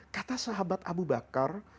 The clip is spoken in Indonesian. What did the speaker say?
kata sahabat abu bakar